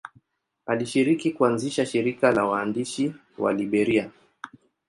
Alishiriki kuanzisha shirika la waandishi wa Liberia.